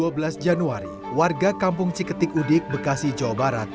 dua belas januari warga kampung ciketik udik bekasi jawa barat